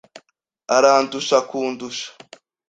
Arandusha kundusha.